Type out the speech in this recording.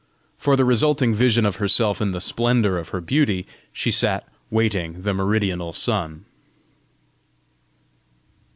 For the resulting vision of herself in the splendour of her beauty, she sat waiting the meridional sun.